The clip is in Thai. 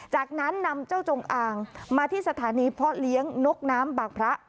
จากนั้นนำเจ้าจงอางมาที่สถานีเพาะเลี้ยงนกน้ำบางพระ